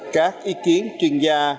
các ý kiến chuyên gia